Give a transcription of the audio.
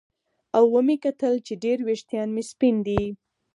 او ومې کتل چې ډېر ویښتان مې سپین دي